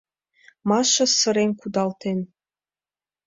Маша сырен кудалтен.